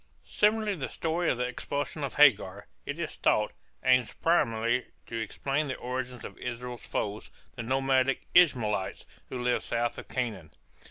Similarly the story of the expulsion of Hagar, it is thought, aims primarily to explain the origin of Israel's foes, the nomadic Ishmaelites, who lived south of Canaan.